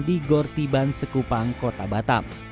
di gortiban sekupang kota batam